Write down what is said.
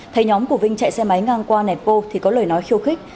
thấy nhóm của vinh chạy xe máy ngang qua nẹp cô thì có lời nói khiêu khích